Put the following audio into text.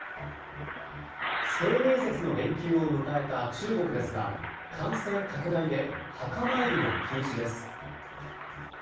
清明節の連休を迎えた中国ですが感染拡大で墓参りも禁止です。